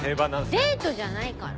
デートじゃないから。